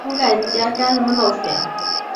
上关町是位于山口县东南部的一町。